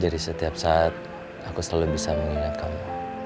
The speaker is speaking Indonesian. jadi setiap saat aku selalu bisa mengingat kamu